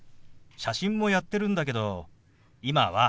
写真もやってるんだけど今は。